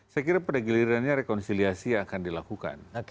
saya kira pada gilirannya rekonsiliasi akan dilakukan